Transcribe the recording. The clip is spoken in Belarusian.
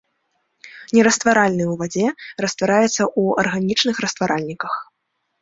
Нерастваральны ў вадзе, раствараецца ў арганічных растваральніках.